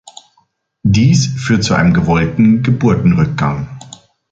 Dies führt zu einem gewollten Geburtenrückgang.